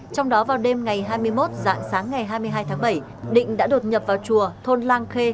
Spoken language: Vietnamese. trong đó vào đêm ngày hai mươi một dạng sáng ngày hai mươi hai tháng bảy định đã đột nhập vào chùa thôn lan khê